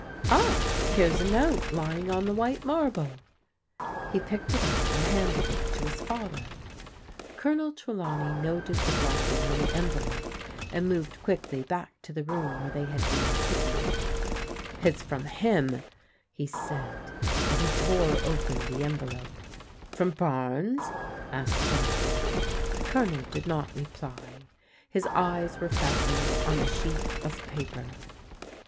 Ah, here's a note lying on the white marble." He picked it up and handed it to his father. lel Trelawney noted ticve >Nt\\m^ otl ^^ ^xwekx^e it JIM BARNES TAKES A LICKING 165 and moved quickly back to the room where they had been sitting. It's from him/' he said as he tore open the envelope. From Barnes?" asked John. The Colonel did not reply. His eyes were fastened on the sheet of paper.